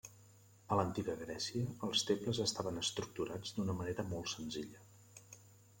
A l'antiga Grècia, els temples estaven estructurats d'una manera molt senzilla.